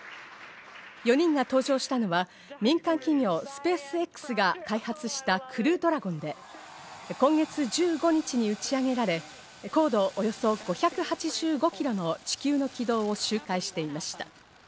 ４人が搭乗したのは民間企業スペースＸが開発したクルードラゴンで、今月１５日に打ち上げられ高度およそ５８５ｋｍの地球の軌道を周回していました。